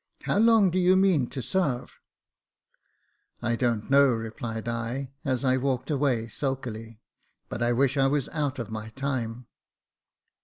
How long do you mean to sarve ?"" I don't know," replied I, as I walked away sulkily j *' but I wish I was out of my time."